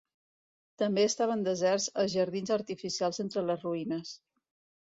També estaven deserts els jardins artificials entre les ruïnes.